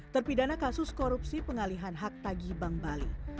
terpidana kasus korupsi pengalihan hak tagi bank bali